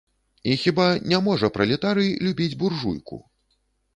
І хіба не можа пралетарый любіць буржуйку?